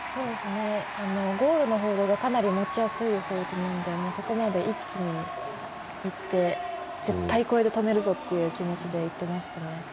ゴールのホールドがかなり持ちやすいホールドなので一気にいって絶対、これで止めるぞっていう気持ちでいってましたね。